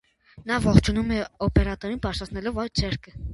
Նա ողջունում է օպերատորին՝ բարձրացնելով աջ ձեռքը։